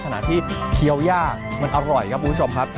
ขณะที่เคี้ยวยากมันอร่อยครับคุณผู้ชมครับ